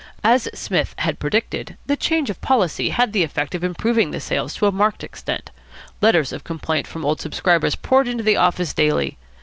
As Psmith had predicted, the change of policy had the effect of improving the sales to a marked extent. Letters of complaint from old subscribers poured into the office daily.